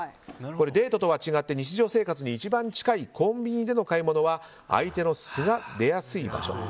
デートとは違って日常生活に一番近いコンビニでの買い物は相手の素が出やすい場所。